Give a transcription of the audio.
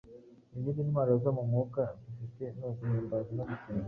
Izindi ntwaro zo mu mwuka dufite ni uguhimbaza no gusenga.